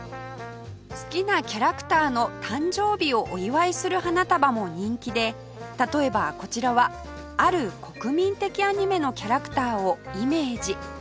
好きなキャラクターの誕生日をお祝いする花束も人気で例えばこちらはある国民的アニメのキャラクターをイメージ